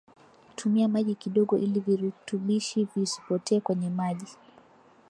Tumia maji kidogo ili virutubishi visipotee kwenye maji